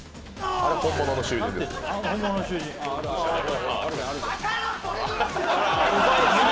あれ本物の囚人高野！